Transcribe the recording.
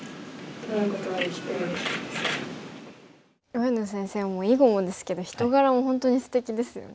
上野先生囲碁もですけど人柄も本当にすてきですよね。